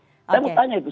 saya mau tanya itu